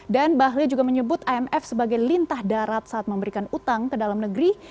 dan bahlil juga menyebut imf sebagai lintah darat saat memberikan utang ke dalam negeri